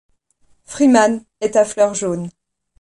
Freeman est à fleur jaune.